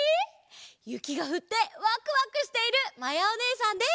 ゆきがふってわくわくしているまやおねえさんです！